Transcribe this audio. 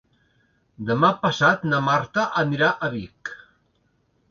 Demà passat na Marta anirà a Vic.